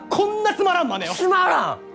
つまらん！？